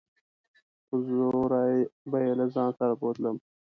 په زوره به يې له ځان سره بوتلم.